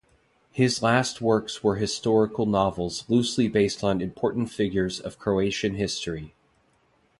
His last works were historical novels loosely based on important figures of Croatian history.